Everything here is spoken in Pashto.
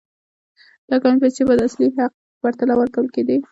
دا کمې پیسې به د اصلي حق په پرتله ورکول کېدې.